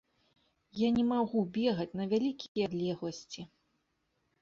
Я не магу бегаць на вялікія адлегласці.